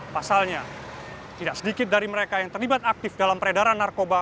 pasalnya tidak sedikit dari mereka yang terlibat aktif dalam peredaran narkoba